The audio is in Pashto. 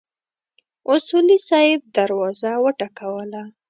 اصولي صیب دروازه وټکوله.